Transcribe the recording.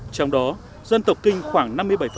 trong đó dân tộc kinh khoảng năm mươi bảy